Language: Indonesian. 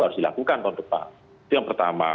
harus dilakukan tahun depan itu yang pertama